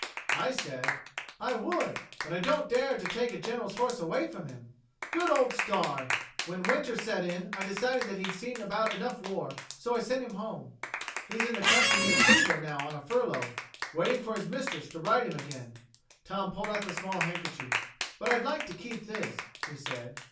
I said, 'I would, but I don't dare to take a General's horse away from him.' Good old Star! When winter set in I decided that he'd seen about enough war, so I sent him home. He is in the country near Cleveland now on a furlough, waiting for his mistress to ride him again." Tom pulled out the small handkerchief. "But I'd like to keep this," he said.